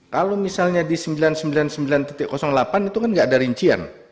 kalau misalnya di sembilan ratus sembilan puluh sembilan delapan itu kan nggak ada rincian